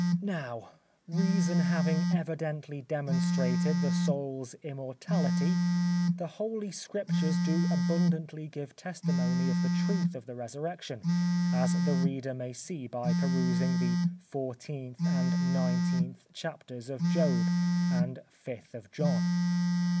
Now, reason having evidently demonstrated the soul's immortality, the Holy Scriptures do abundantly give testimony of the truth of the resurrection, as the reader may see by perusing the 14th and 19th chapters of Job and 5th of John.